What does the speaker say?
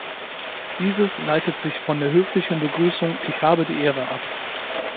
Dieses leitet sich von der höflichen Begrüßung „Ich habe die Ehre“ ab.